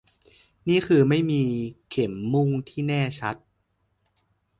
นี่คือไม่มีเข็มมุ่งที่แน่ชัด